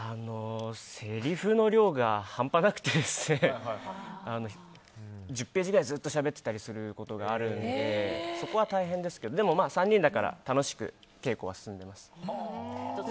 せりふの量が半端なくて１０ページくらいずっとしゃべってたりすることがあるのでそこは大変ですけどでも３人だから楽しく稽古は進んでいます。